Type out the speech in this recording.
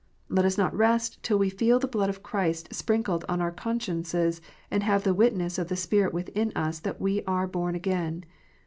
Let us not rest till we feel the blood of Christ sprinkled on our consciences, and have the witness of the Spirit within us that we are born again.